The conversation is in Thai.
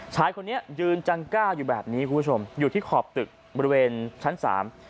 ชายคนนี้ยืนจังก้าอยู่แบบนี้คุณผู้ชมอยู่ที่ขอบตึกบริเวณชั้นสาม